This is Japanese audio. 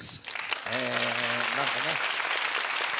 え何かね。